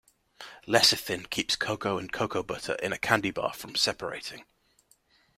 Lecithin keeps cocoa and cocoa butter in a candy bar from separating.